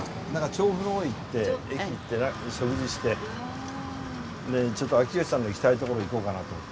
調布の方行って駅行って食事してちょっと秋吉さんの行きたい所行こうかなと思って。